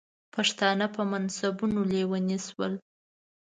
پښتانه په منصبونو لیوني شول.